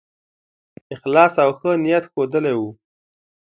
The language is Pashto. اخلاص او ښه نیت ښودلی وو.